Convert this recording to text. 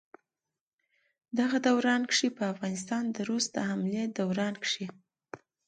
دغه دوران کښې په افغانستان د روس د حملې دوران کښې